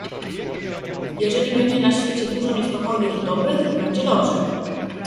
"Jeżeli będzie na świecie dużo niespokojnych i dobrych, będzie dobrze."